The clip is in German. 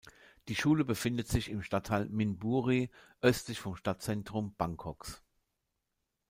Die Schule befindet sich im Stadtteil Min Buri, östlich vom Stadtzentrum Bangkoks.